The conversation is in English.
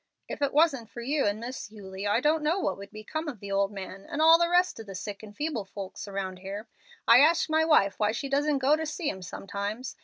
If it wasn't for you and Miss Eulie I don't know what would become of the old man and all the rest of the sick and feeble foiks around here. I ask my wife why she doesn't go to see 'em sometimes.